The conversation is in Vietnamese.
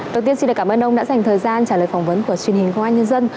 đầu tiên xin cảm ơn ông đã dành thời gian trả lời phỏng vấn của truyền hình công an nhân dân